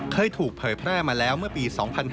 เคยถูกเผยแพร่มาแล้วเมื่อปี๒๕๕๙